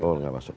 oh nggak masuk